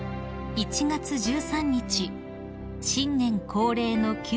［１月１３日新年恒例の宮中行事